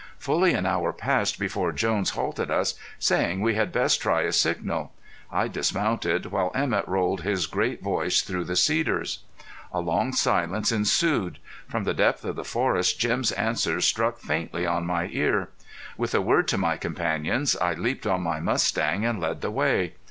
Fully an hour passed before Jones halted us, saying we had best try a signal. I dismounted, while Emett rolled his great voice through the cedars. A long silence ensued. From the depths of the forest Jim's answer struck faintly on my ear. With a word to my companions I leaped on my mustang and led the way.